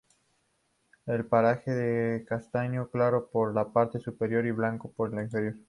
El pelaje es castaño claro por la parte superior y blanco por la inferior.